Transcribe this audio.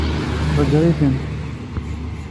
Ḍeggeṛ-iten.